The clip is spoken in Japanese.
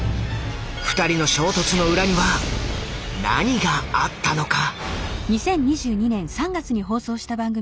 二人の衝突の裏には何があったのか？